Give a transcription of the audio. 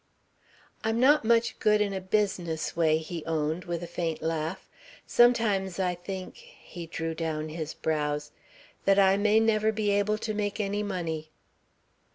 "I'm not much good in a business way," he owned, with a faint laugh. "Sometimes I think," he drew down his brows, "that I may never be able to make any money."